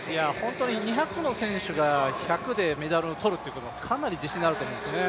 ２００の選手が１００でメダルを取るということはかなり自信になると思うんですよね。